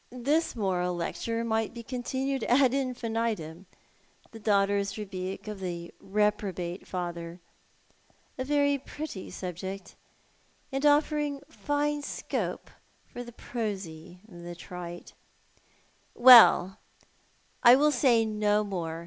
This moral lecture might be continued ad infinitum — the (laughter's rebuke of the reprobate father. A very pretty subject, and offering fine scope for the prosy and the trite." "Well, I will say no more.